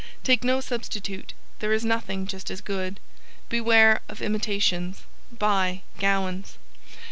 Take no substitute; there is nothing just as good. Beware of imitations. Buy Gowans.